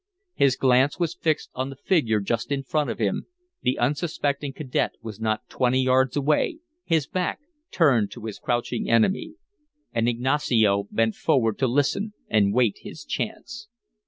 His glance was fixed on the figure just in front of him; the unsuspecting cadet was not twenty yards away, his back turned to his crouching enemy. And Ignacio bent forward to listen and wait his chance.